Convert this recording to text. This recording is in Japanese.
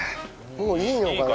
もういいのかな？